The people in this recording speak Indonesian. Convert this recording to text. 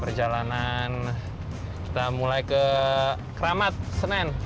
perjalanan kita mulai ke keramat senen